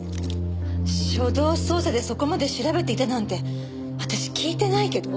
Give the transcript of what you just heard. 初動捜査でそこまで調べていたなんて私聞いてないけど？